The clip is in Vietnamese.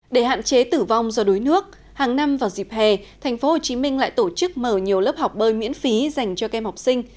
để hạn chế tử vong do đuối nước hàng năm vào dịp hè tp hcm lại tổ chức mở nhiều lớp học bơi miễn phí dành cho kem học sinh